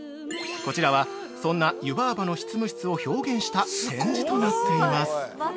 こちらは、そんな湯婆婆の執務室を表現した展示となっています。